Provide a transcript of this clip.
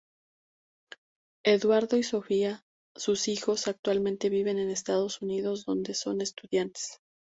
Eduardo y Sofía, sus hijos, actualmente viven en Estados Unidos, donde son estudiantes.